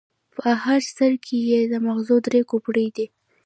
په هر سر کې یې د ماغزو درې کوپړۍ دي.